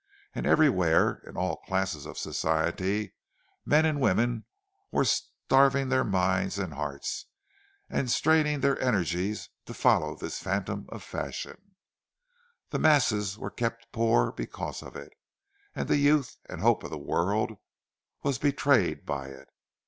And everywhere, in all classes of Society, men and women were starving their minds and hearts, and straining their energies to follow this phantom of fashion; the masses were kept poor because of it, and the youth and hope of the world was betrayed by it.